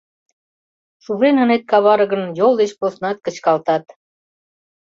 Шужен ынет каваре гын, йол деч поснат кычкалтат.